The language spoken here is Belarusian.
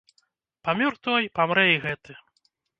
Памёр той, памрэ і гэты.